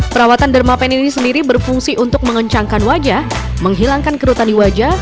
perawatan dermapen ini sendiri berfungsi untuk mengencangkan wajah menghilangkan kerutan di wajah